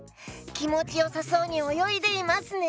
きもちよさそうにおよいでいますね！